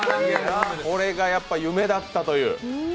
これがやっぱ夢だったという。